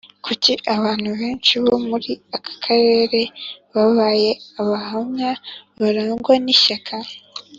Kuki abantu benshi bo muri ako karere babaye Abahamya barangwa n ishyaka